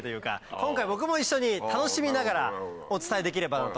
今回僕も一緒に楽しみながらお伝えできればなと。